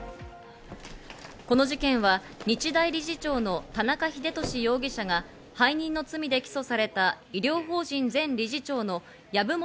この事件は日大理事長の田中英壽容疑者が背任の罪で起訴された医療法人前理事長の籔本